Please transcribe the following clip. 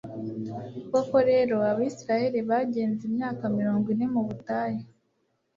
koko rero, abayisraheli bagenze imyaka mirongo ine mu butayu